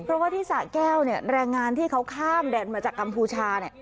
เพราะว่าที่สะแก้วเนี่ยแรงงานที่เขาข้ามแดนมาจากกัมพูชา